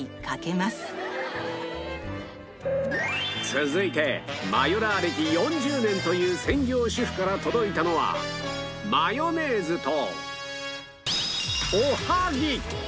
続いてマヨラー歴４０年という専業主婦から届いたのはマヨネーズと